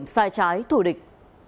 sai trái thủ địch